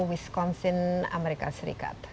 wisconsin amerika serikat